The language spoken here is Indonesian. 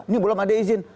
ini belum ada izin